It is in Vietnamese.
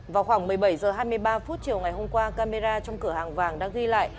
vào khoảng một mươi bảy h hai mươi ba phút chiều ngày hôm qua camera trong cửa hàng vàng đã ghi lại